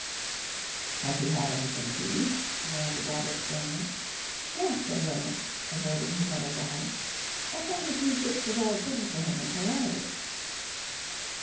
"Has he had anything to eat?" demanded Robert sternly. "Yes," said William, avoiding his mother's eye. "I found a few bits of old things for him in the larder."